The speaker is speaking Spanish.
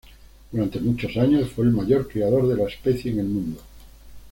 Durante muchos años fue el mayor criador de la especie en el mundo.